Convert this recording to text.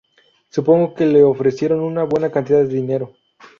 Supongo que le ofrecieron una buena cantidad de dinero.